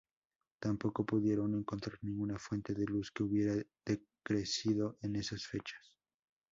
Tampoco pudieron encontrar ninguna fuente de luz que hubiera decrecido en esas fechas.